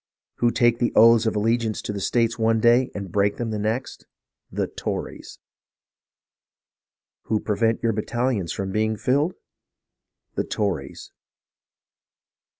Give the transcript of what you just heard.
Who take the oaths of allegiance to the States one day, and break them the next ? The Tories ! Who prevent your battalions from being filled ? The Tories